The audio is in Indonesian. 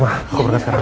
aku berangkat sekarang